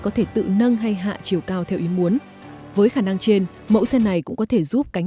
có thể tự nâng hay hạ chiều cao theo ý muốn với khả năng trên mẫu xe này cũng có thể giúp cánh